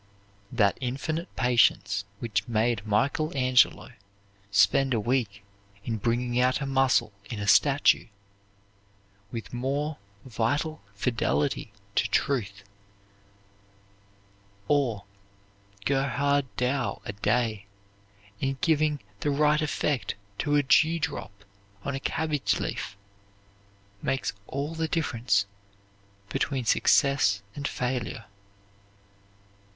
That infinite patience which made Michael Angelo spend a week in bringing out a muscle in a statue, with more vital fidelity to truth, or Gerhard Dow a day in giving the right effect to a dewdrop on a cabbage leaf, makes all the difference between success and failure.